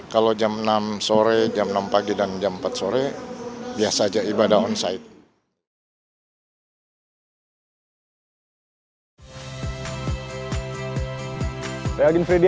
kalau jam enam sore jam enam pagi dan jam empat sore biasa aja ibadah onsite